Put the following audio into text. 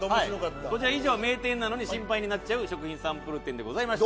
こちら以上「名店なのに心配になっちゃう食品サンプル展」でございました。